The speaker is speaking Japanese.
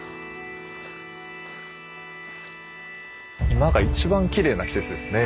今が一番きれいな季節ですね。